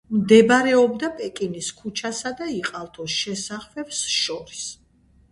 მდებარეობდა პეკინის ქუჩასა და იყალთოს შესახვევს შორის.